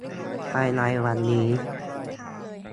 ภายในวันนี้